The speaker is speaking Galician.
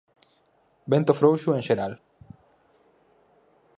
Vento frouxo en xeral.